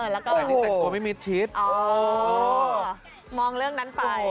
แล้วก็โอ้โหโอ้โหมองเรื่องนั้นไป